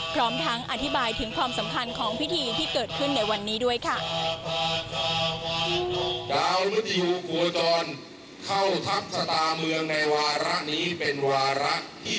พร้อมทั้งอธิบายถึงความสำคัญของพิธีที่เกิดขึ้นในวันนี้ด้วยค่ะ